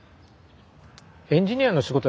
エンジニアの仕事